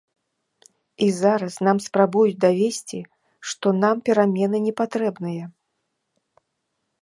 І зараз нам спрабуюць давесці, што нам перамены не патрэбныя.